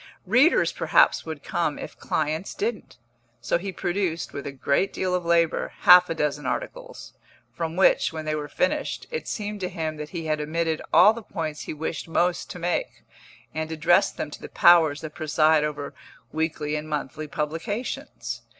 Readers perhaps would come, if clients didn't; so he produced, with a great deal of labour, half a dozen articles, from which, when they were finished, it seemed to him that he had omitted all the points he wished most to make, and addressed them to the powers that preside over weekly and monthly publications.